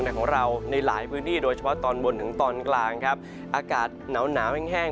ในของเราในหลายพื้นที่โดยเฉพาะตอนบนถึงตอนกลางครับอากาศหนาวหนาวแห้งแห้ง